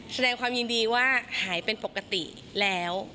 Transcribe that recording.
แสดงความยินดีว่าหายเป็นปกติแล้ว